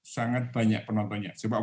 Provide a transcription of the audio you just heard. sangat banyak penontonnya sebab